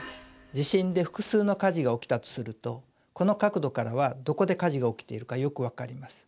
地震で複数の火事が起きたとするとこの角度からはどこで火事が起きてるかよく分かります。